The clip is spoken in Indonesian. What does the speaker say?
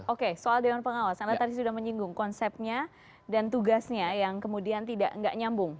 oke soal dewan pengawas anda tadi sudah menyinggung konsepnya dan tugasnya yang kemudian tidak nyambung